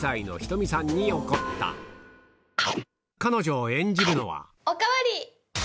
彼女を演じるのは・おかわり！